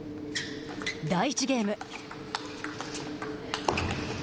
第１ゲーム。